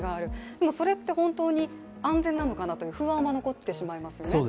でもそれって本当に安全なのかなという不安は残ってしまいますよね。